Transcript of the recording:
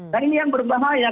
dan ini yang berbahaya